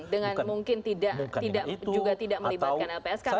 dengan mungkin tidak juga tidak melibatkan lpsk